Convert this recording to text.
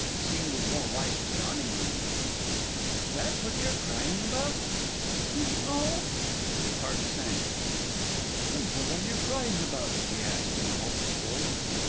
It seemed as though light was dawning on him. "Is that what you're crying about?" "N no." His heart sank. "Then what are you crying about?" he asked in a hopeless voice.